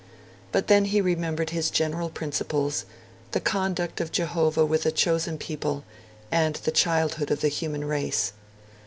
But then he remembered his general principles, the conduct of Jehovah with the Chosen People, and the childhood of the human race.